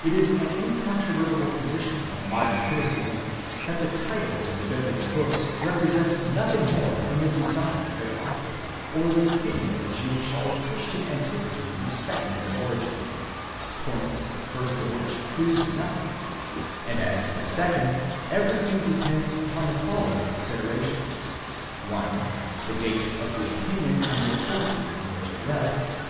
It is an incontrovertible position of modern criticism that the titles of the Biblical books represent nothing more than the design of their author, or the opinion of Jewish or Christian antiquity respecting their origin ; points the first of which proves nothing ; and as to the second every thing depends upon the following con siderations : 1. the date of the opinion and the authority on which it rests ; 2.